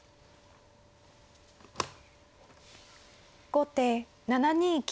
後手７二金。